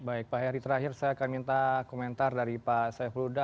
baik pak heri terakhir saya akan minta komentar dari pak saiful huda